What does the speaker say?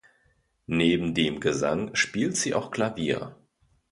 Neben dem Gesang spielt sie auch Klavier.